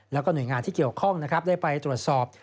แล้วก็หน่วยงานที่เกี่ยวข้องนะครับได้ไปตรวจสอบ